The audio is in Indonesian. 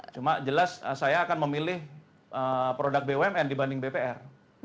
cuma jelas saya akan memilih produk bumn dibanding bpr